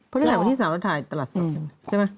๕๘๘๕พฤหาวันที่๓เราถ่ายตลาดสองแล้วใช่ไหม